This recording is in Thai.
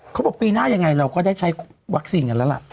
เขาบอกปีหน้ายังไงเราก็ได้ใช้วัคซีนกันแล้วล่ะ